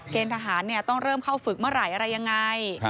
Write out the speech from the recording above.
ทหารต้องเริ่มเข้าฝึกเมื่อไหร่อะไรยังไง